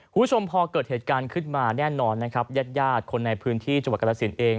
คุณผู้ชมพอเกิดเหตุการณ์ขึ้นมาแน่นอนนะครับญาติญาติคนในพื้นที่จังหวัดกรสินเอง